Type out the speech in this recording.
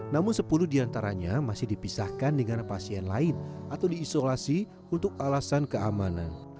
namun sepuluh diantaranya masih dipisahkan dengan pasien lain atau diisolasi untuk alasan keamanan